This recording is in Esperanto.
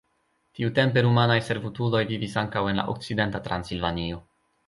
Tiutempe rumanaj servutuloj vivis ankaŭ en la okcidenta Transilvanio.